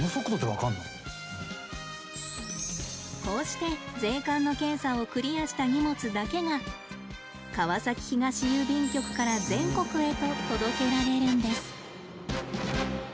こうして税関の検査をクリアした荷物だけが川崎東郵便局から全国へと届けられるんです。